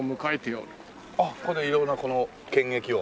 あっここで色々なこの剣劇を。